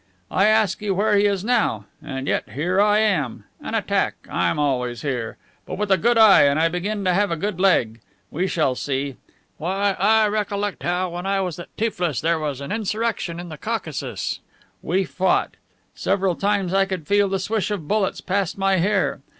I ask you where he is now. And yet here I am! An attack! I'm always here! But with a good eye; and I begin to have a good leg. We shall see. Why, I recollect how, when I was at Tiflis, there was an insurrection in the Caucasus. We fought. Several times I could feel the swish of bullets past my hair.